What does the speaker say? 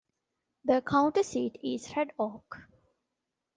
The county seat is Red Oak.